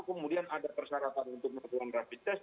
kemudian ada persyaratan untuk melakukan rapid test